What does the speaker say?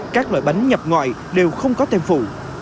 các loại bánh nhập ngoại đều không có thêm phụ